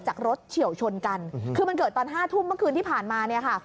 จากรถเฉียวชนกันคือมันเกิดตอน๕ทุ่มเมื่อคืนที่ผ่านมา